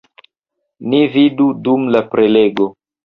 Ni vidu dum la prelego.